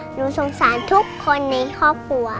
หนูสงสารทุกคนในครอบครัว